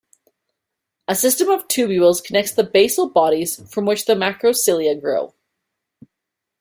A system of tubules connects the basal bodies from which the macrocilia grow.